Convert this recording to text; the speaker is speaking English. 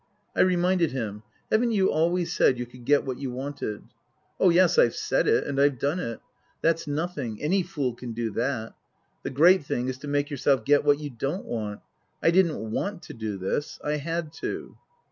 I reminded him :" Haven't you always said you could get what you wanted ?"" Oh, yes, I've said it, and I've done it. That's nothing. Any fool can do that. The great thing is to make yourself get what you don't want. I didn't want to do this. I had to."